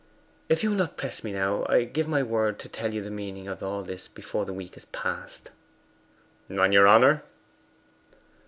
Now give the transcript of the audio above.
'If you will not press me now, I give my word to tell you the meaning of all this before the week is past.' 'On your honour?